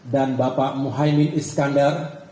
dan bapak muhyiddin iskandar